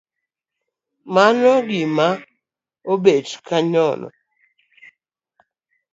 Mano ngama obet kanyono.